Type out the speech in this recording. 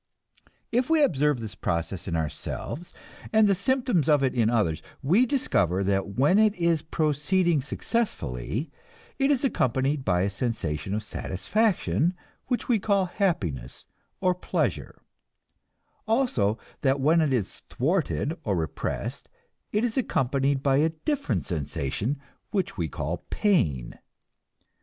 If we observe this process in ourselves, and the symptoms of it in others, we discover that when it is proceeding successfully, it is accompanied by a sensation of satisfaction which we call happiness or pleasure; also that when it is thwarted or repressed, it is accompanied by a different sensation which we call pain.